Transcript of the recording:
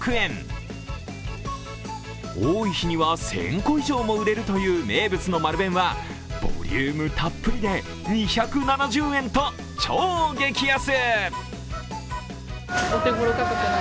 多い日には１０００個以上も売れるという名物のマル弁はボリュームたっぷりで２７０円と超激安。